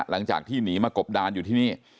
หลังจากที่หนีมากบดานอยู่ที่นี่